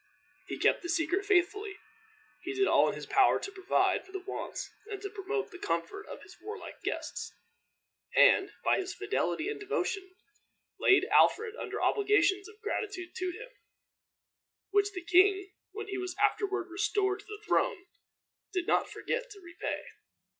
He kept the secret faithfully. He did all in his power to provide for the wants and to promote the comfort of his warlike guests, and, by his fidelity and devotion, laid Alfred under obligations of gratitude to him, which the king, when he was afterward restored to the throne, did not forget to repay.